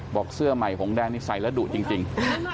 เสื้อใหม่หงแดงนี่ใส่แล้วดุจริง